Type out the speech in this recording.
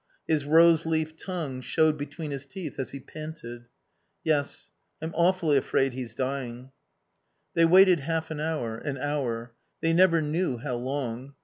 His rose leaf tongue showed between his teeth as he panted. "Yes. I'm awfully afraid he's dying." They waited half an hour, an hour. They never knew how long.